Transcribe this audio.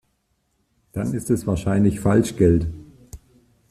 Dann ist es wahrscheinlich Falschgeld.